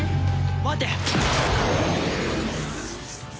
待て！